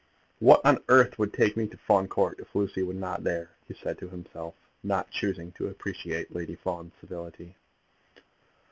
"What on earth would take me to Fawn Court, if Lucy were not there!" he said to himself, not choosing to appreciate Lady Fawn's civility.